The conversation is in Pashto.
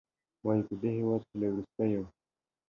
وايي، په دې هېواد کې له وروستیو